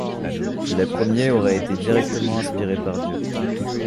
Les premiers auraient été directement inspirés par Dieu.